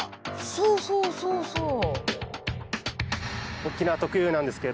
そうそうそうそう。